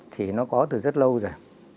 thì nó có từ rất lâu rồi